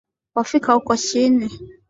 Wafika huko chini?